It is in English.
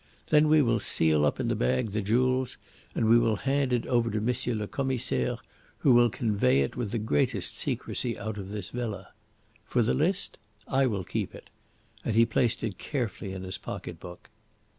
Then we will seal up in the bag the jewels, and we will hand it over to M. le Commissaire, who will convey it with the greatest secrecy out of this villa. For the list I will keep it," and he placed it carefully in his pocket book.